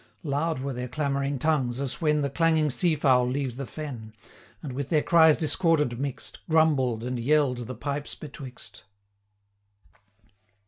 Loud were their clamouring tongues, as when The clanging sea fowl leave the fen, And, with their cries discordant mix'd, Grumbled and yell'd the pipes betwixt.